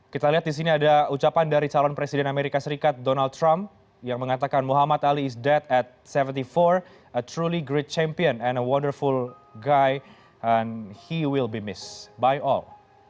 kita lihat disini ada ucapan dari calon presiden amerika serikat donald trump yang mengatakan muhammad ali is dead at tujuh puluh empat a truly great champion and a wonderful guy and he will be missed by all